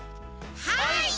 はい！